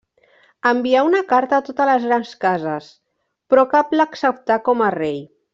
Envià una carta a totes les grans cases, però cap l'acceptà com a rei.